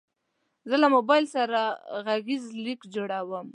زه له موبایل سره غږیز لیک جوړوم.